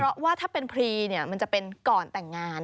เพราะว่าถ้าเป็นพรีเนี่ยมันจะเป็นก่อนแต่งงาน